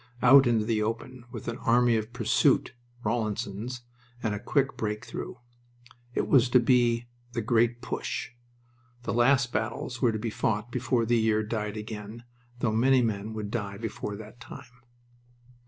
Out into the open, with an Army of Pursuit (Rawlinson's) and a quick break through. It was to be "The Great Push." The last battles were to be fought before the year died again, though many men would die before that time.